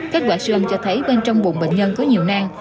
kết quả siêu âm cho thấy bên trong bụng bệnh nhân có nhiều nang